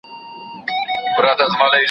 تور نصيب يې كړل په برخه دوږخونه.